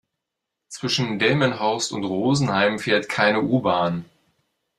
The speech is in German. Zwischen Delmenhorst und Rosenheim fährt keine U-Bahn